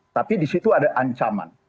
tapi di situ ada ancaman